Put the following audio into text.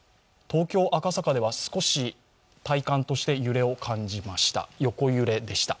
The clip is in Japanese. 東京・赤坂では少し体感的に揺れを感じました。